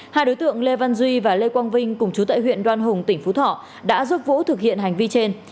hai đối tượng lê văn duy và lê quang vinh cùng chú tại huyện đoan hùng tỉnh phú thọ đã giúp vũ thực hiện hành vi trên